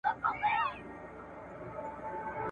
ته به خپل وطن ته ولاړ شې.